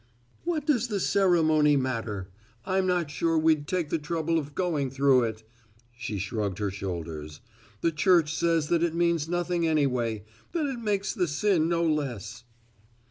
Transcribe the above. "What does the ceremony matter? I'm not sure we'd take the trouble of going through it," she shrugged her shoulders, "the Church says that it means nothing anyway; that it makes the sin no less."